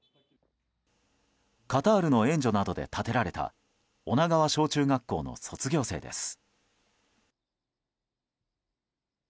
カタールの援助などで建てられた女川小中学校の卒業生です。